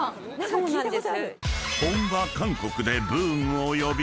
そうなんです。